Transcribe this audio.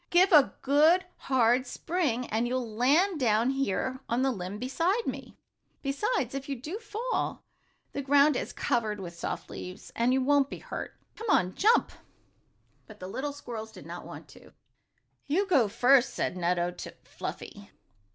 Give a good, hard spring, and you'll land down here on the limb beside me. Besides, if you do fall, the ground is covered with soft leaves, and you won't be hurt. Come on. Jump!" But the little squirrels did not want to. "You go first," said Nutto to Fluffy.